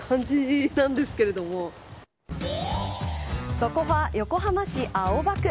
そこは横浜市青葉区。